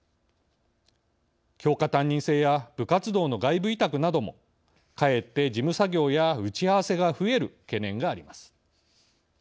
教科担任制や部活動の外部委託などもかえって事務作業や打ち合わせが増える懸念があります。